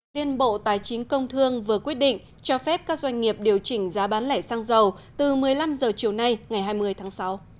liên bộ tài chính công thương vừa quyết định cho phép các doanh nghiệp điều chỉnh giá bán lẻ xăng dầu từ một mươi năm h chiều nay ngày hai mươi tháng sáu